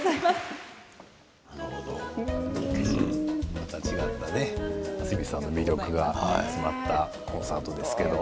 また違った明日海さんの魅力が詰まったコンサートですけど。